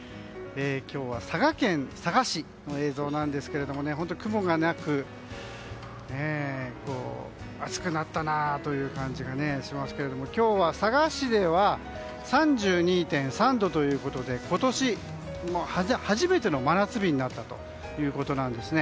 今日は佐賀県佐賀市の映像なんですけど本当に雲がなく暑くなったなという感じがしますけども今日は佐賀市では３２．３度ということで今年初めての真夏日になったということなんです。